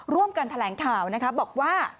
ร่วมกันแถลงข่าวนะคะบอกว่า